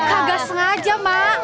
kagak sengaja mak